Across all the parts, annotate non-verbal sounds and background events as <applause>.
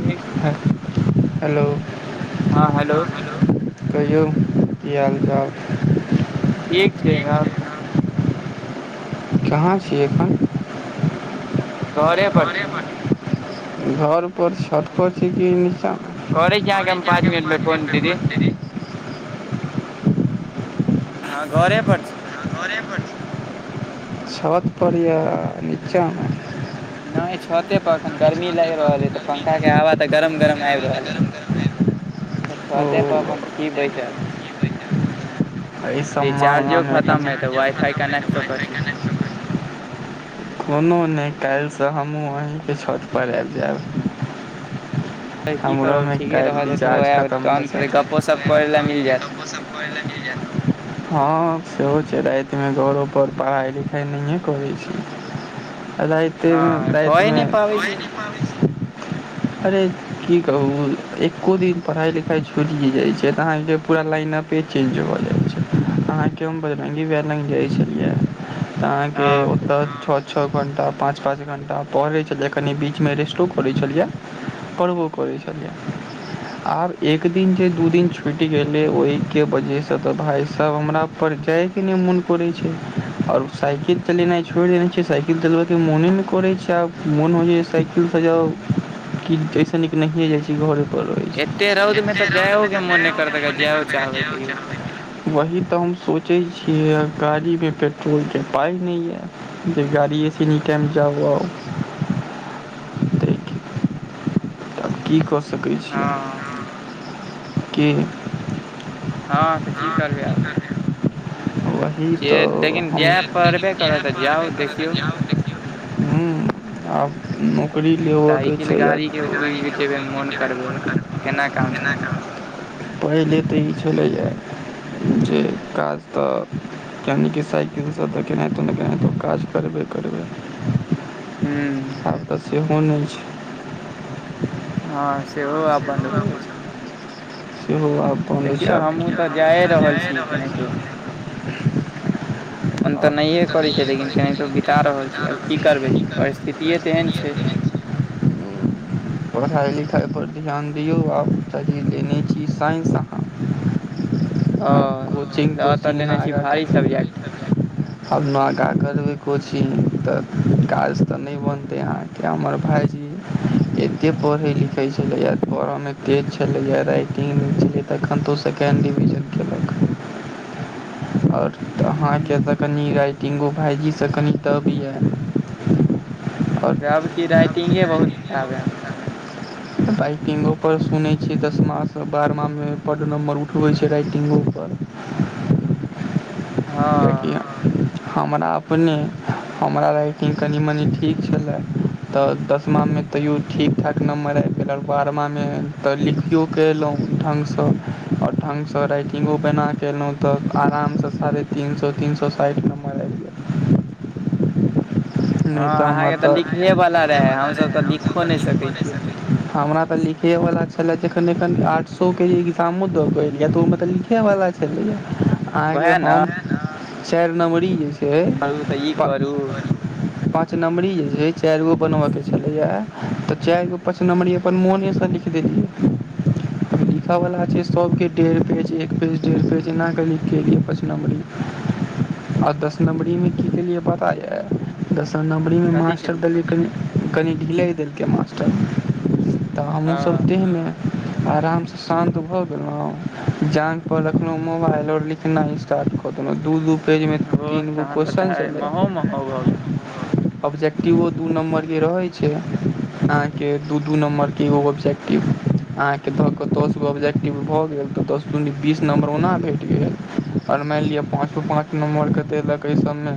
ठीक hello hello हँ hello कहियौ की हाल चाल ठीक छै आहाँ कहु कहाँ छियै एखन घरे पर छी घरपर छत पर छी की निचा करै छी अहाँके हम पाँच मिनटमे फोन दीदी केने छी हँ घरे पर छी हाँ घरे पर छी छत पर या निचामे नहि छते पर एखन गर्मी लागि पर रहल छी हइ तऽ गर्मी पंखा के हवा तऽ गरम लागि छै तऽ पंखा के गरम आबि हवा रहल तऽ अइ गरम गरम आबि रहल छै छते तऽ छतेपर पर अपन बैसल छी बैसल एहि सब रिचार्जो मामलामे खतम अइ तऽ रीचार्जों वाइ फाइ खत्म कि कनेक्ट तऽ कऽ वाई कऽ फाई छी कनेक्शन <unintelligible> कोनो नहि काल्हिसँ हमहूँ अहीँके छतपर आबि जायब <inaudible> तऽ की करब ठीके रहत तऽ आयब तहन तऽ गप्पोसप करै लए मिल जायत ओस कर <unintelligible> हँ सेहो छै रातिमे घरो पर पढ़ाइ लिखाइ नहिए करैत छी राति मे हँ राति भए मे नहि पाबै भए छै नहि पाबै छै अरे की कहू एको दिन पढ़ाइ लिखाइ छुटि जाइ छै तऽ अहाँके पूरा लाइनअप चेंज अहाँके हम बजरंगी भैया लंग जाइ छलियै त अहाँके हँ ओतय छ छओ घंटा पाँच पाँच घंटा पढ़ै छलियै कनि बीचमे रेस्टो करैत छलियै पढ़बो करै छलियै आब एक दिन जे दू दिन छुटि गेलै ओहिके वजहसँ से तऽ भाइ सब हमरापर जाइके नहि मोन करै छै आओर साइकिल चलेनाइ छोड़ि देने छी साइकिल चलबय के मोने नहि करैत छै आब मोन होइ छै साइकिल सँ जाउ की ऐस निक नहिये जाइ छी घरे पर रहै एते रौद छी मे तऽ एते रौद जायो मे के त मोन नहि जायो करत के अगर मन नै जायो चाहबै तैयो करतै वही तऽ हम सोचै छियै गाड़ीमे पेट्रोलके पाइ नहि यऽ जे गाड़ी स निकैल जाउ आउ तऽ आब की कऽ सकै हँ छियै क हँ तऽ की करबै आब इ जे तऽ जाय लेकिन पड़बे हम करत तऽ जाउ जा देखियौ पारबे करऽ जाउ लेकिन हुँ आब नौकरी लेबऽ के साइकिल छै या गाड़ी के उ गाड़ी जेबै मोन के करबै मोन केना काम करबै एना चलतै कऽ पहिले तऽ ई छलैया जे काज तऽ यानिक कि साइकिलसँऽ केनाहितो ने केनाहितो काज करबे करबै हुँ आब तऽ सेहो नहि छै हँ सेहो आब बन्द भऽ गेल छै सेहो आब बन्द छै देखियौ आब हमहूँ तऽ जायए रहल छी केनाहितो ओन तऽ आब नहियए करै छै लेकिन केनाहिंतो विता रहल छी आब की करबै परिस्थितिेये तेहन छै पढ़ाइ लिखाइपर धि्यन दियौ आब तही लेने छी साइंस अहाँ आब हाँ कोचिंग ल तऽ तोचिंग न लेने छी आगाँ भारी सब्जेक्ट आब नागा करबै कोचिंग तऽ काज तऽ नहि बनतै अहाँ हमर भाईजी एते पढ़ै लिखै छलैया पढ़ऽ मे तेज छलैया राति तीन दिन छलै तखन तऽ सेकेण्ड डिवीजनेेन केल आओरऽ अहाँके तऽ कनि राइटिंगो भाइजीसँ कनि तब यऽ आ अब की रइटिंगे बहुत खराब ह ऽ राइटिंगो पर सुनै छियै दशमासँ बारहमामे बड नम्बर उठबै छै राइटिंगो पर <inaudible> हँ किएकि हमरा अपने हमरा राइटिंग कनि मनि ठीक छलेए तऽ दसमामे तैयो ठीक ठाक नम्बर अइ बारमामे तऽ लिखियो कलहुँ ढङ्गसँ आओर ढङ्गसँ राइटि्ंगो बना कऽ केलहुँ तऽ आरामसँ साढ़े तीन सए तीन सए साइठ नम्बर आबि गेल हँ अहाँके तऽ लिखे वाला रहे हमसभ तऽ लिखो नहि सकै छियै हमरा ते लिखे वाला छलेखन एखन आठसो के एग्जामो द गेल त ओ लिखे वाला छलेयाह वएह अहाँके न हम चारि नम्बरी जे छै धू त ई करु पांच नंबरी जे छै चार गो बनबय के छलैय तऽ चारि गो पाच नंबरी अपन मोनेसा लिख देलिए सभ छै सबके डेढ़ पेज एक पेज डेढ़ पेज एना क लिख कियै पच नम्बरी आ दस नम्बरीमे की के लिए पता यै दसर नमबरीमे कथी मास्टर केली देलियै कनि कनि ढिलइ देलकै मास्टर तऽ हमहूँसभ हँ तेहमे आरामसँ शान्त भऽ गेलहुँ जान पर रखलहुँ मोबाइल आओर लिखनाइ स्टार्ट क देलं दू दू पेज में तीन गो क्वेशस्चन छलै हँ भऽ गेल अब्जेक्टिवो दू नम्बरके रहै छै आहाँ के दू दू नम्बर के एगो ऑब्जेक्टिव आहाँ के तहके दस गो ऑब्जेक्टिव भए गेल तऽ दस बीस नम्बर ओना भेट गेल आओर मानि लिअ पाँचो पाँच नम्बरके देलक एहि सभमे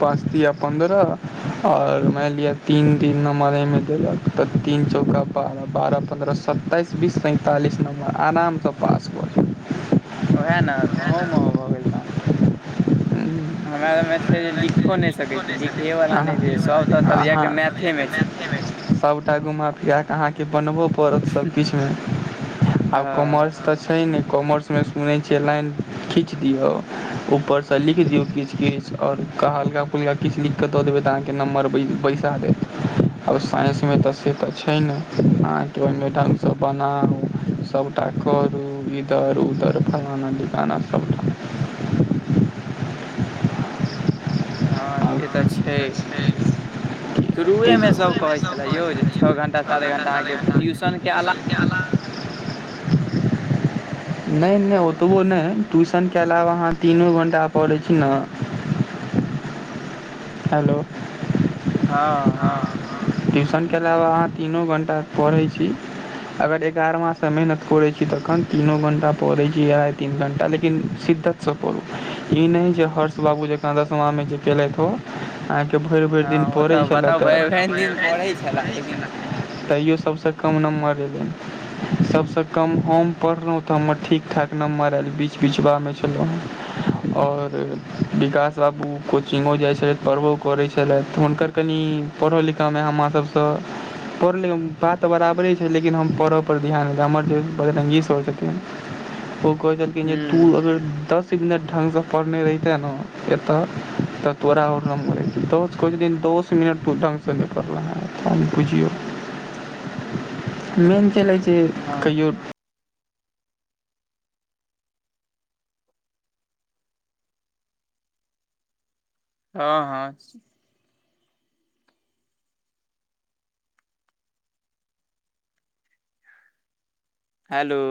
पाँच तिया पन्द्रह और मान लिअ तीन तीन नम्बरे एमें देलक तऽ तीन चौका बारह बारह पन्द्रह सत्ताइस बीस सैंतालिस नम्बर आरामसँ पास भ जैव ओएह ने महु म भऽ गेल तन हमरा मे छै जे लि खोनै सकै छी इएह लिखे वाला नहि छै, सब तऽ सब्जेक्ट मैथे मे छै <unintelligible> सभटा घुमा फिरा कऽ अहाँके बनबो पड़त सभकिछुमे आब हँ कॉमर्स तऽ छै नहि कॉमर्समे सुनै छियै लाइन खींच दियो ऊपर से लिख दियो कीच कीच और हल्का फुलका किछ लीख लिख कें दऽ देबै तऽ अहाँके नम्बर बैसा देत आब साइंसमे तऽ से तऽ छै ने अहाँके ओयम ढङ्गसँ बनाउ सबटा करू इधर उधर फलाना ढिमकाना सब हँ से तऽ छै शुरुए में सब कहे छले यौ जे छओ घंटा सात घंटा अ के ट्यूशन के अलाव <unintelligible> नहि नहि ओतबो नहि ट्यूशनके अलावा अहाँ तीनो घण्टा पढ़ैत छी ने हेलो हँ हँ ट्यूशनके अलावा अहाँ तीनो घण्टा पढ़ैत छी अगर एगारह माससँ मेहनत करैत छी तखन तीनो घण्टा पढ़ैत छीढ़ाइ तीन घण्टा लेकिन सिद्धत ई नहि जे हर्ष बाबू जेक दशमा जे केलथि हो के भरि भरि दिन हँ ओ पड़ै तऽ छलै बताउ भरि त भरि दिन पढ़ै छले लेकिन तैयो सबसँ कम नम्बर ऐलय सभसँ कम हम पढ़लहुँ तऽ हमर ठीक ठाक नम्बर आयल बीच बीचबामे छलहुँ हेँ आओर विकास बाबू कोचिंगो जाइत छलथि पढ़बो करैत छलथि त हुनकर कनि पढ़ऽ लिखऽमे हमराससँ पढ़लहुँ बात तऽ बराबरे छै लेकिन हम पढ़यपर ध्यान हमर जे बजरङ्गी सर छथिन ओ कहै छलखिन जे तू हूँ अगर दस ढंग से पढ़ने रहिते ने एत त तोरा और नम्बर अबितौ दोस दिन दोस दस मिनट ढङ्गसँ निकलेै त बुझियौ मेन चलै छै हँ कहिओ हँ हँ हेलो